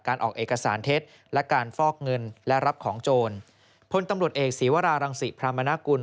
ออกเอกสารเท็จและการฟอกเงินและรับของโจรพลตำรวจเอกศีวรารังศิพรามนากุล